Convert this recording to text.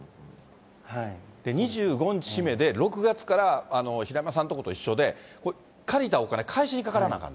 ２５日締めで、６月から平山さんの所と一緒で、借りたお金返しにかからなあかん。